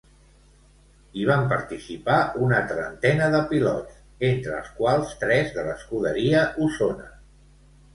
Hi vam participar una trentena de pilots, entre els quals tres de l'Escuderia Osona.